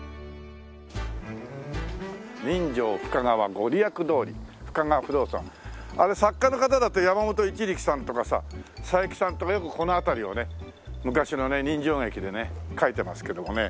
「人情深川ご利益通り深川不動堂」作家の方だと山本一力さんとかさ佐伯さんとかよくこの辺りをね昔のね人情劇でね書いてますけどもね。